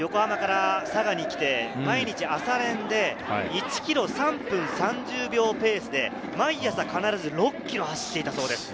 横浜から佐賀に来て毎日、朝練で１ｋｍ３分３０秒ペースで毎朝必ず６ｋｍ走っていたそうです。